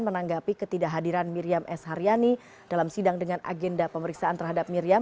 menanggapi ketidakhadiran miriam s haryani dalam sidang dengan agenda pemeriksaan terhadap miriam